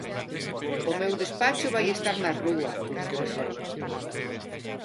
"O meu despacho vai estar na rúa", expresou.